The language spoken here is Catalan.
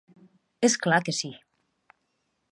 És clar que sí.